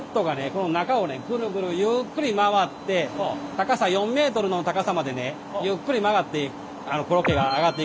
この中をねグルグルゆっくり回って高さ４ｍの高さまでねゆっくり回ってコロッケが上がっていくんですね。